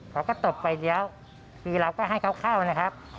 เขาก็ตบไฟเลี้ยวคือเราก็ให้เขาเข้านะครับ